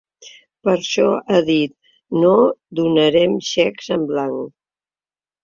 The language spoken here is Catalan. Per això ha dit: ‘No donarem xecs en blanc.’